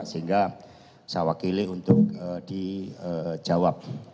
sehingga saya wakili untuk dijawab